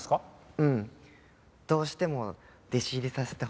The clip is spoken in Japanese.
うん。どうしても弟子入りさせてほしくて。